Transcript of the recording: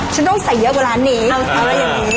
ฉันต้องใส่เยอะกว่าร้านนี้